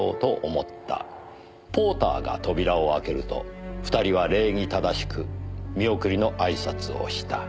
「ポーターが扉を開けると２人は礼儀正しく見送りの挨拶をした」